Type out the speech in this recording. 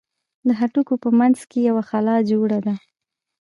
د هډوکي په منځ کښې يوه خلا جوړه ده.